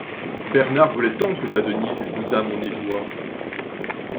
Bernard voulait tant que ta Denise épousât mon Édouard.